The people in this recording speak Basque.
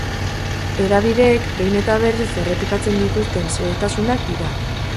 Hedabideek bahin eta berriz errepikatzen dituzten zehetasunak dira.